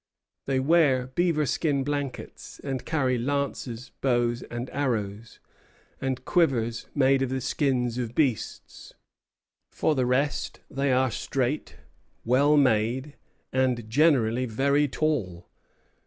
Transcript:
They wear beaver skin blankets, and carry lances, bows and arrows, and quivers made of the skins of beasts. For the rest they are straight, well made, and generally very tall.